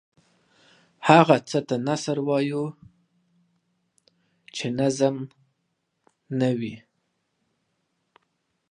هغه څه ته نثر وايو چې نظم نه وي.